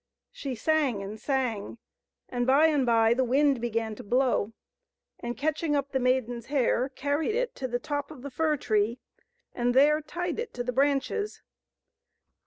She sang and sang, and by and by the wind began to blow, and, catching up the maiden's hair, carried it to the top of the fir tree, and there tied it to the branches.